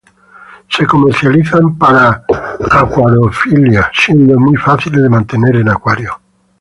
Se comercializan para acuariofilia, siendo muy fáciles de mantener en acuario.